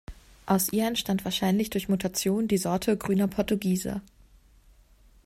Aus ihr entstand wahrscheinlich durch Mutation die Sorte Grüner Portugieser.